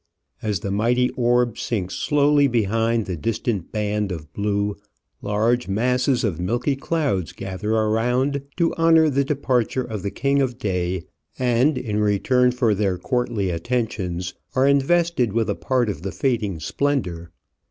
As the mighty orb sinks slowly behind the distant band of blue, large masses of milky clouds gather around to honour the departure of the king of day, and in return for Digitized by VjOOQIC lo Travels and Adventures their courtly attentions are invested with a part of the fading splendour.